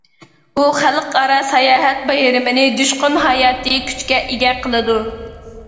ئۇ خەلقئارا ساياھەت بايرىمىنى جۇشقۇن ھاياتىي كۈچكە ئىگە قىلىدۇ.